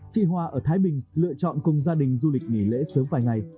chị hoa ở thái bình lựa chọn cùng gia đình du lịch nghỉ lễ sớm vài ngày